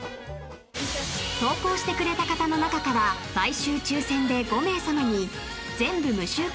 ［投稿してくれた方の中から毎週抽選で５名さまに全部無臭化